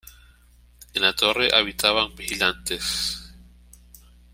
En la torre habitaban vigilantes.